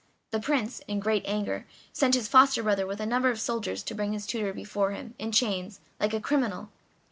The Prince, in great anger, sent his foster brother with a number of soldiers to bring his tutor before him, in chains, like a criminal.